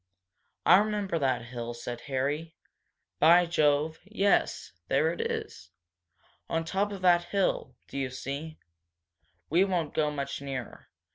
"I remember that hill," said Harry. "By Jove yes, there it is! On top of that hill, do you see? We won't go much nearer.